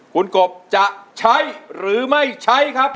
คุณกบจะใช้หรือไม่ใช้ครับ